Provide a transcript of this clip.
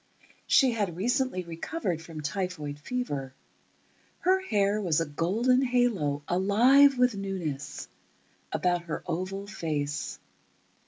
She had recently recovered from typhoid fever. Her hair was a golden halo, alive with newness, about her oval face.